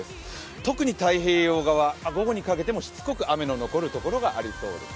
特に太平洋側、午後にかけてもしつこく雨が残る所が多そうです。